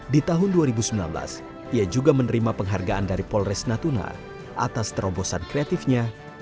di tahun dua ribu sembilan belas ia juga menerima penghargaan dari polres natuna atas terobosan kreatifnya